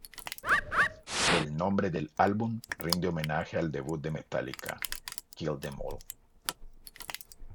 El nombre del álbum rinde homenaje al debut de Metallica, "Kill 'em All".